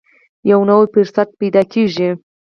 یو نوی فرصت پیدا کېږي.